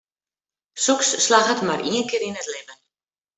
Soks slagget mar ien kear yn it libben.